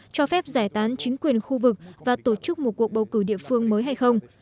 cho phép giải tán chính quyền khu vực và tổ chức một cuộc bầu cử địa phương mới hay không